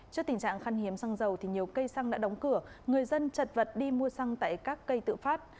trước tình trạng khăn hiếm xăng dầu nhiều cây xăng đã đóng cửa người dân chật vật đi mua xăng tại các cây tự phát